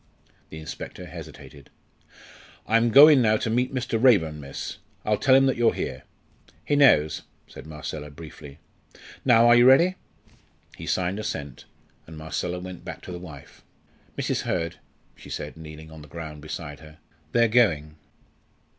The inspector hesitated. "I'm going now to meet Mr. Raeburn, miss. I'll tell him that you're here." "He knows," said Marcella, briefly. "Now are you ready?" He signed assent, and Marcella went back to the wife. "Mrs. Hurd," she said, kneeling on the ground beside her, "they're going."